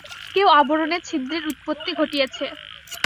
কেউ আবরণে ছিদ্রের উৎপত্তি ঘটিয়েছে।